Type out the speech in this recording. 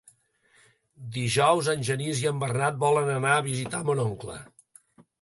Dijous en Genís i en Bernat volen anar a visitar mon oncle.